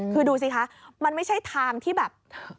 คือดูสิคะมันไม่ใช่ทางที่แบบ